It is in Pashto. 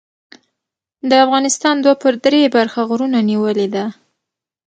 د افغانستان دوه پر درې برخه غرونو نیولې ده.